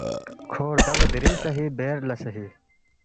کھو ردَبو دیرِنگ صحیح بیر لہ صحیح